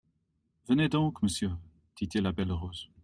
Venez donc, monsieur, dit-il à Belle-Rose.